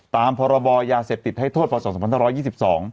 ตามพบยาเสพติดให้โทษปศ๑๒๒๒